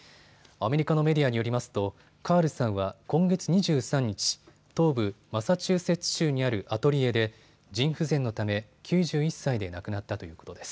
アメリカのメディアによりますとカールさんは今月２３日、東部マサチューセッツ州にあるアトリエで腎不全のため９１歳で亡くなったということです。